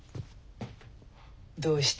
どうして？